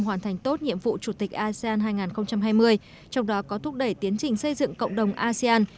hoàn thành tốt nhiệm vụ chủ tịch asean hai nghìn hai mươi trong đó có thúc đẩy tiến trình xây dựng cộng đồng asean